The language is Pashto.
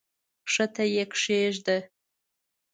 کښته یې کښېږده!